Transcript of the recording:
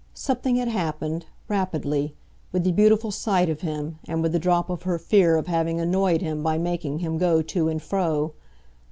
Something had happened, rapidly, with the beautiful sight of him and with the drop of her fear of having annoyed him by making him go to and fro.